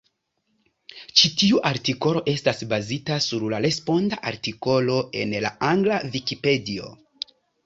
Ĉi tiu artikolo estas bazita sur la responda artikolo en la angla Vikipedio.